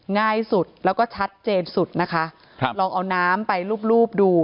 ง่ายสุดแล้วก็ชัดเจนสุดนะคะครับลองเอาน้ำไปรูปรูปดู